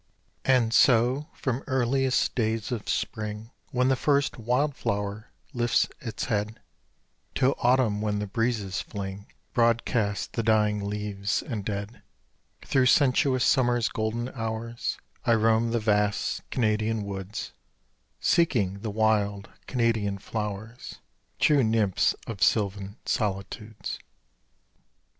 And so, from earliest days of spring, When the first wild flower lifts its head, Till autumn, when the breezes fling Broadcast the dying leaves and dead, Through sensuous summer's golden hours I roam the vast, Canadian woods, Seeking the wild Canadian flowers, True nymphs of sylvan solitudes.